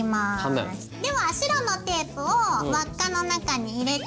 では白のテープを輪っかの中に入れて。